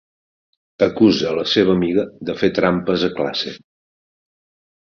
Acusa la seva amiga de fer trampes a classe.